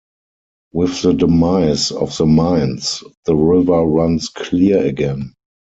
With the demise of the mines, the river runs clear again.